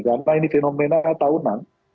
karena ini fenomena tahunan